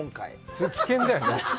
それ、危険だよね？